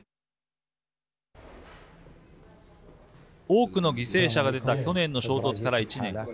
多くの犠牲者が出た去年の衝突から１年。